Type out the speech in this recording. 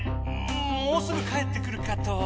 もうすぐ帰ってくるかと。